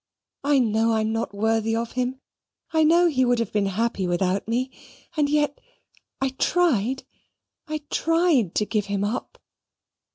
I know I'm not worthy of him I know he would have been happy without me and yet I tried, I tried to give him up.